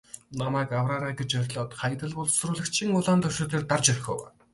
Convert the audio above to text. Намайг авраарай гэж орилоод Хаягдал боловсруулагчийн улаан товчлуур дээр дарж орхив.